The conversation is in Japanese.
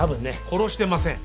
殺してません。